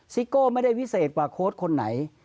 ซิโก้ไม่ได้วิเศษกว่าโค้ดคนไหน